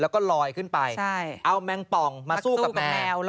แล้วก็ลอยขึ้นไปเอาแมงป่องมาสู้กับแมว